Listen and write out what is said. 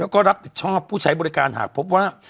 แล้วก็รับผิดชอบผู้ใช้บริการหากพบว่า